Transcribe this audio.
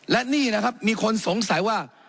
และนี่นะครับมีคนสงสัยว่า